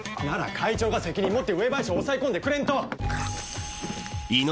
なら会長が責任持って上林を抑え込んでくれんと！